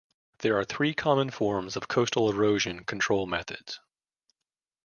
There are three common forms of coastal erosion control methods.